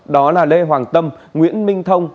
đó là lê hoàng tâm nguyễn minh thông